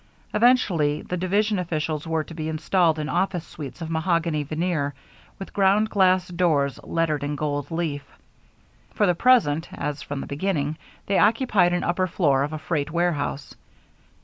Eventually the division officials were to be installed in office suites of mahogany veneer, with ground glass doors lettered in gold leaf. For the present, as from the beginning, they occupied an upper floor of a freight warehouse.